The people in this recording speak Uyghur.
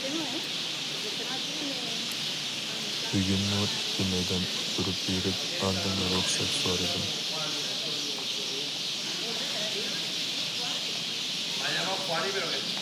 بۈگۈنمۇ ئىككى مەيدان ئۇتتۇرۇپ بېرىپ ئاندىن رۇخسەت سورىدىم.